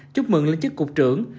chúc mừng lên chức cục trưởng